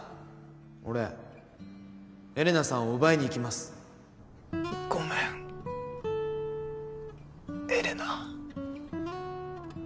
俺エレナさんを奪いに行きますごめんエレナ。